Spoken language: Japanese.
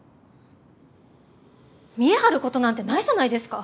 見え張ることなんてないじゃないですか！